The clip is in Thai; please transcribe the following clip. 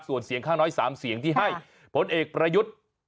ส่วนเสียงข้างน้อย๓เสียงที่ให้ผลเอกประยุทธ์